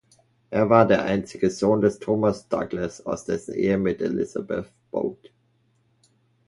Er war der einzige Sohn des Thomas Douglas aus dessen Ehe mit Elizabeth Boyd.